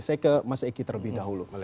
saya ke mas eki terlebih dahulu